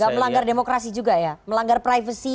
tidak melanggar demokrasi juga ya melanggar privasi